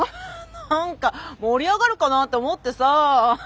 何か盛り上がるかなと思ってさ。